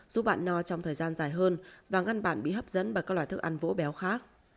giúp bạn no trong thời gian dài hơn và ngăn bản bị hấp dẫn bằng các loại thức ăn vỗ béo khác